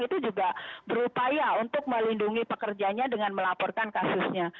itu juga berupaya untuk melindungi pekerjanya dengan melaporkan kasusnya